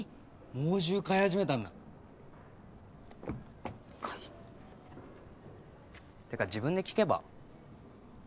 猛獣飼い始めたんだ返してってか自分で聞けば？